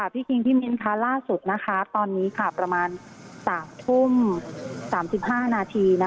คิงพี่มิ้นค่ะล่าสุดตอนนี้ประมาณ๓ทุ่ม๓๕นาที